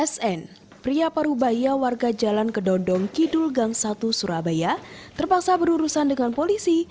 sn pria parubaya warga jalan kedondong kidul gang satu surabaya terpaksa berurusan dengan polisi